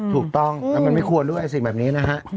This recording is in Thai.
ถูกต้องแล้วมันไม่ควรด้วยสิ่งแบบนี้นะฮะ